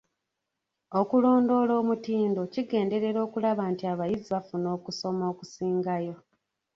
Okulondoola omutindo kigenderera okulaba nti abayizi bafuna okusoma okusingayo.